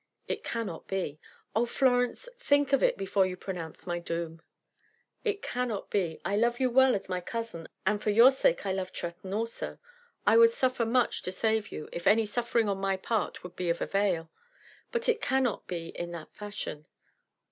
"It cannot be." "Oh, Florence! think of it before you pronounce my doom." "It cannot be. I love you well as my cousin, and for your sake I love Tretton also. I would suffer much to save you, if any suffering on my part would be of avail. But it cannot be in that fashion."